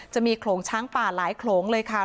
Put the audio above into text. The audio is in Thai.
โขลงช้างป่าหลายโขลงเลยค่ะ